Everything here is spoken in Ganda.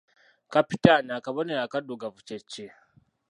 Kapitaani akabonero akaddugavu kye ki?